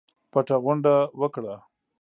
پټه غونډه وکړه.